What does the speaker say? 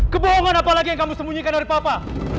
kebohongan apalagi yang kamu sembunyikan oleh papa